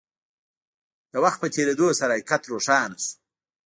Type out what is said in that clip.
د وخت په تېرېدو سره حقيقت روښانه شو.